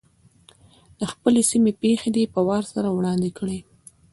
د خپلې سیمې پېښې دې په وار سره وړاندي کړي.